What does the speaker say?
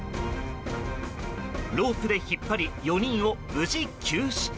ロープで引っ張り４人を無事救出。